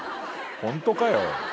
ホントかよ。